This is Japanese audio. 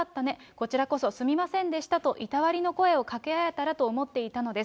こちらこそすみませんでしたと、いたわりの声をかけ合えたらと思っていたのです。